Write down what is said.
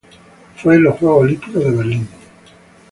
Fue en los Juegos Olímpicos de Berlín.